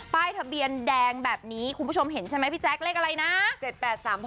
ป้ายทะเบียนแดงแบบนี้คุณผู้ชมเห็นใช่ไหมพี่แจ๊คเลขอะไรนะ